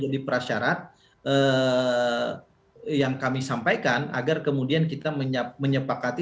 detail yang inflasan